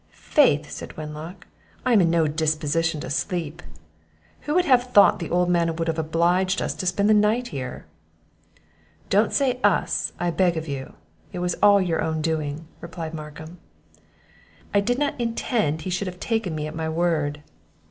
"Faith!" says Wenlock, "I am in no disposition to sleep. Who would have thought the old man would have obliged us to spend the night here?" "Don't say us, I beg of you; it was all your own doing," replied Markham. "I did not intend he should have taken me at my word."